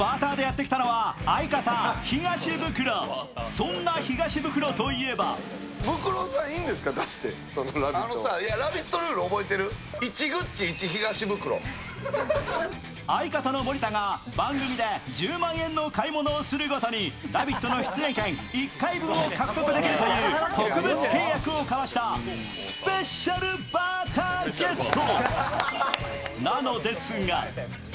そんな東ブクロといえば相方の森田が番組で１０万円の買い物をするごとに「ラヴィット！」の出演権１回分を獲得できるという、特別契約を交わしたスペシャルバーターゲスト。